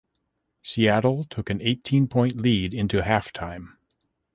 Seattle took an eighteen point lead into halftime.